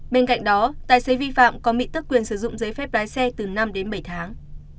bên cạnh đó tài xế vi phạm có mị tức quyền sử dụng giấy phép lái xe từ năm bảy tháng